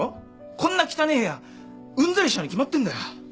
こんな汚え部屋うんざりしちゃうに決まってんだよ。